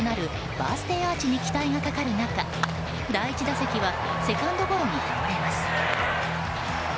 バースデーアーチに期待がかかる中第１打席はセカンドゴロに倒れます。